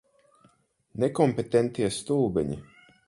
Nekompetentie stulbeņi.